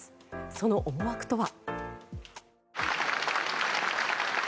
その思惑とは。